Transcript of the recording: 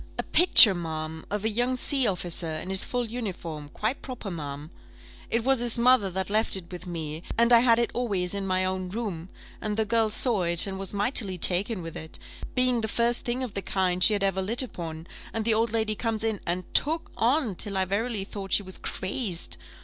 "A picture, ma'am, of a young sea officer, in his full uniform quite proper, ma'am. It was his mother that left it with me, and I had it always in my own room, and the girl saw it, and was mightily taken with it, being the first thing of the kind she had ever lit upon, and the old lady comes in, and took on, till I verily thought she was crazed.